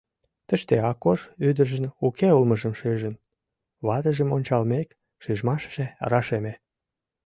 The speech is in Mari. Тыште Акош ӱдыржын уке улмыжым шижын, ватыжым ончалмек, шижмашыже рашеме.